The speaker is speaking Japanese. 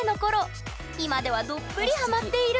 今ではどっぷりハマっている！